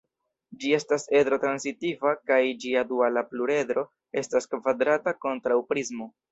Ĝi estas edro-transitiva kaj ĝia duala pluredro estas kvadrata kontraŭprismo.